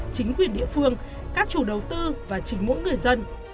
chính quyền địa phương các chủ đầu tư và chính mỗi người dân